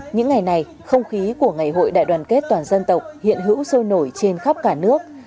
những ngày này không khí của ngày hội đại đoàn kết toàn dân tộc hiện hữu sôi nổi trên khắp cả nước